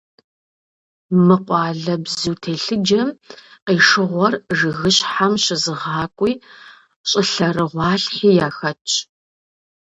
Мы къуалэбзу телъыджэм къишыгъуэр жыгыщхьэм щызыгъакӀуи щӀылъэрыгъуалъхьи яхэтщ.